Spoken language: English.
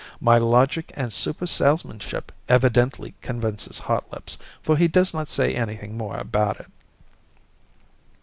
My logic and super salesmanship evidently convinces Hotlips, for he does not say anything more about it.